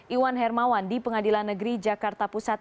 iwan hermawan di pengadilan negeri jakarta pusat